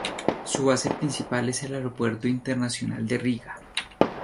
Su base principal es el Aeropuerto Internacional de Riga.